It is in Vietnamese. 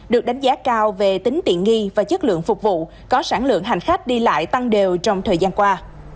được đánh giá cao về tính tiện nghi và chất lượng phục vụ có sản lượng hành khách đi lại tăng đều trong thời gian qua